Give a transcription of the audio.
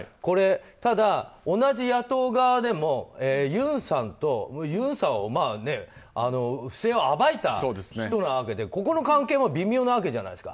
ただ、同じ野党側でもユンさんは不正を暴いた人なわけでここの関係も微妙なわけじゃないですか。